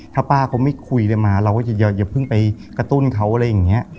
ถ้าป้าเขาไม่คุยอะไรมาเราก็จะอย่าเพิ่งไปกระตุ้นเขาอะไรอย่างนี้